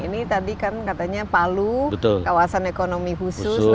ini tadi kan katanya palu kawasan ekonomi khusus